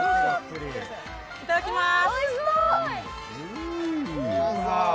いただきまーす。